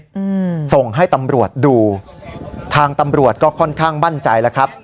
อืมส่งให้ตำรวจดูทางตำรวจก็ค่อนข้างมั่นใจแล้วครับ